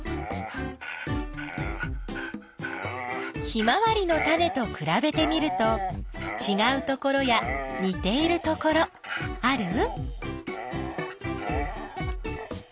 ヒマワリのタネとくらべてみるとちがうところやにているところある？